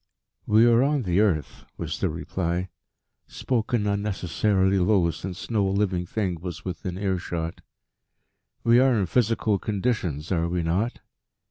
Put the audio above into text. "We are on the earth," was the reply, spoken unnecessarily low since no living thing was within earshot, "we are in physical conditions, are we not?